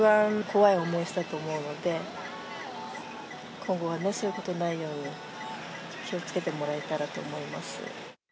怖い思いしたと思うので、今後はね、そういうことないように、気をつけてもらえたらと思います。